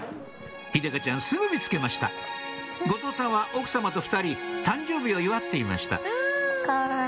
秀香ちゃんすぐ見つけました後藤さんは奥様と２人誕生日を祝っていました